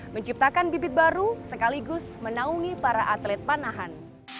menciptakan bibit baru sekaligus menaungi para atlet panahan